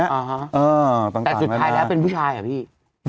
แต่สุดท้ายแล้วเป็นผู้ชายเหรอพี่